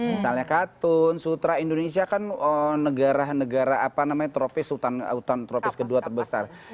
misalnya katun sutra indonesia kan negara negara tropis hutan tropis kedua terbesar